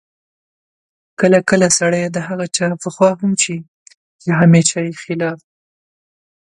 کله کله سړی د هغه چا په خوا هم شي چې همېشه یې خلاف